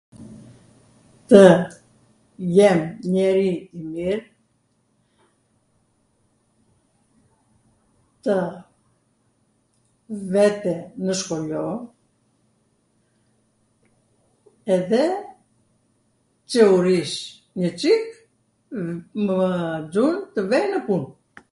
tw jem njeri i mir, tw vete ne skoljo, edhe Cw u rrish njwCik mw xun tw vej nw pun.